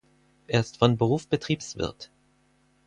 Er ist von Beruf Betriebswirt.